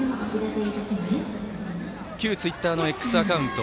旧ツイッターのＸアカウント